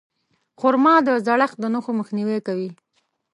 خرما د زړښت د نښو مخنیوی کوي.